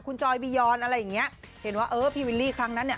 คุณจอยบียอนอะไรอย่างเงี้ยเห็นว่าเออพี่วิลลี่ครั้งนั้นเนี่ย